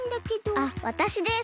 あっわたしです。